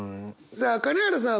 さあ金原さん